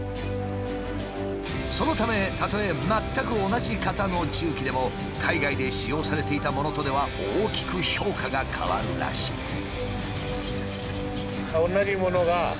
そのためたとえ全く同じ型の重機でも海外で使用されていたものとでは大きく評価が変わるらしい。